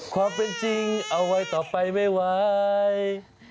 ความเป็นจริงเอาไว้ต่อไปไม่ไหว